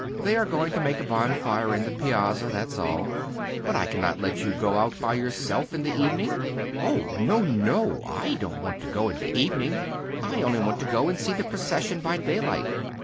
They are going to make a bonfire in the Piazza—that's all. But I cannot let you go out by yourself in the evening." "Oh no, no! I don't want to go in the evening. I only want to go and see the procession by daylight.